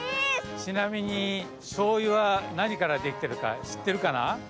ちなみにしょうゆはなにからできてるかしってるかな？